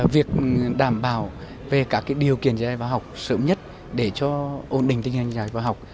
việc đảm bảo về các điều kiện dạy và học sớm nhất để cho ổn định tình hình dạy và học